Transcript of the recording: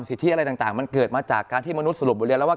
สิทธิอะไรต่างมันเกิดมาจากการที่มนุษยสรุปบทเรียนแล้วว่า